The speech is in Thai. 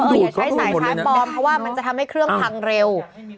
อย่าใช้สายคล้ายปลอมเพราะว่ามันจะทำให้เครื่องพังเร็ว